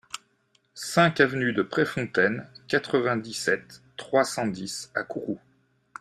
cinq avenue de Préfontaine, quatre-vingt-dix-sept, trois cent dix à Kourou